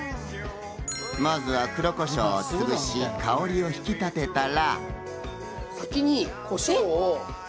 まずは黒コショウをつぶし、香りを引き立てたら。